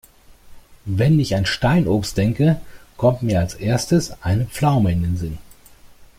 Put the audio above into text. Wenn ich an Steinobst denke, kommt mir als Erstes eine Pflaume in den Sinn.